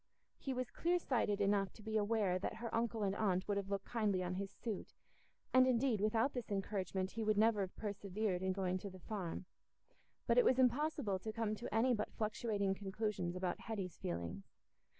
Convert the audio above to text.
He was clear sighted enough to be aware that her uncle and aunt would have looked kindly on his suit, and indeed, without this encouragement he would never have persevered in going to the Farm; but it was impossible to come to any but fluctuating conclusions about Hetty's feelings.